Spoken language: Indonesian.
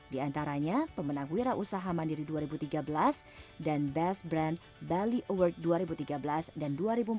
di antaranya pemenang wira usaha mandiri dua ribu tiga belas dan best brand bali award dua ribu tiga belas dan dua ribu empat belas